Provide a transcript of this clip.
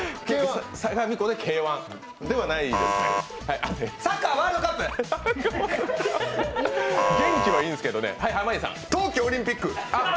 冬季オリンピック？